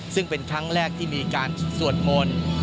ซึ่งเป็นครั้งแรกที่มีการสวดมนต์